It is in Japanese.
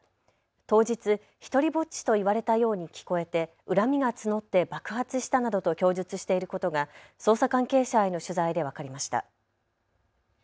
当日、独りぼっちと言われたように聞こえて恨みが募って爆発したなどと供述していることが捜査関係者への取材で分かりました。